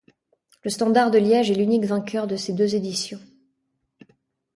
Le Standard de Liège est l'unique vainqueur de ces deux éditions.